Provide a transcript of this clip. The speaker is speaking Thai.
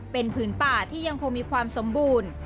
เป็นผืนป่าที่ยังคงมีความสมบูรณ์